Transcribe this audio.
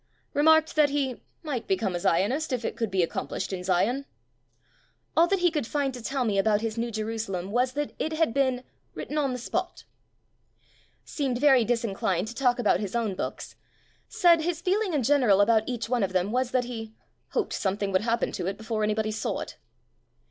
Remarked that he "might become a Zionist if it could be accomplished in Zion". All that he could find to tell me about his "New Jerusalem" was that it had been "written on the spot". Seemed very disinclined to talk about his own books. Said his feeling in general about each one of them was that he "hoped something would hap pen to it before anybody saw it".